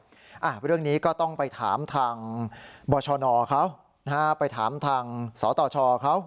ก็ชี้แต่งเป็นทำไลน์ออกมาเหมือนกัน